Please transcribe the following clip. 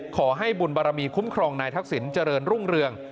ขอให้บุญบารมีคุ้มครองนายทักษิณเจริญรุ่งเรือง